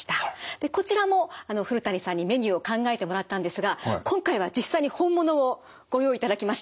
でこちらも古谷さんにメニューを考えてもらったんですが今回は実際に本物をご用意いただきました。